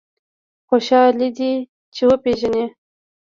خوشاله دی چې وپېژني.